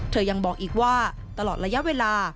ยังบอกอีกว่าตลอดระยะเวลา